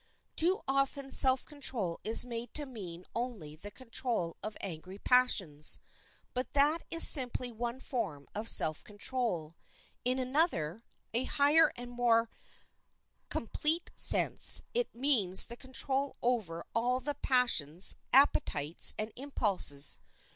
Too often self control is made to mean only the control of angry passions, but that is simply one form of self control; in another—a higher and more complete sense—it means the control over all the passions, appetites, and impulses.